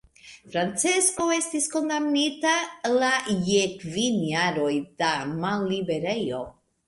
Francesco estis kondamnita la je kvin jaroj da malliberejo.